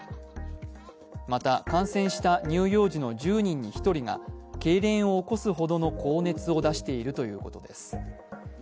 また、感染した乳幼児の１０人に１人がけいれんを起こすほどの高熱を出しているということです。